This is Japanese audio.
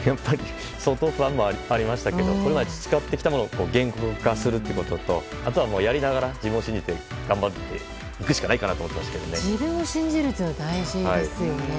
相当不安もありましたけどこれまで培ってきたものを言語化するということとあとはやりながら自分を信じて頑張っていくしかないかなと自分を信じるのは大事ですよね。